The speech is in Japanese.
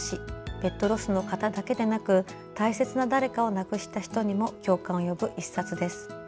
ペットロスの方だけでなく大切な誰かを亡くした人にも共感を呼ぶ一冊です。